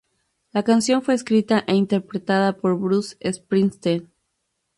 La canción fue escrita e interpretada por Bruce Springsteen.